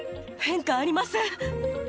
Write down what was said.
変化ありません。